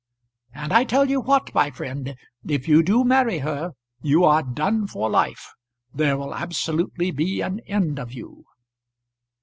And I tell you what, my friend, if you do marry her you are done for life. There will absolutely be an end of you."